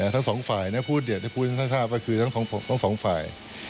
ทั้งสองฝ่ายพูดสถาบก็คือทั้งสองฝ่าย